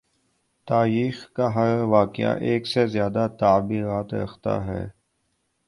تایخ کا ہر واقعہ ایک سے زیادہ تعبیرات رکھتا ہے۔